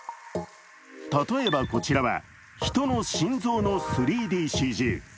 例えばこちらは、人の心臓の３ＤＣＧ。